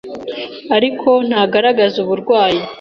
ariko ntagaragaze uburwayi”.